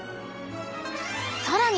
さらに